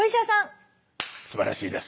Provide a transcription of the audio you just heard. すばらしいです。